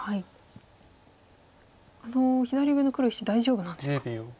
左上の黒１子大丈夫なんですか？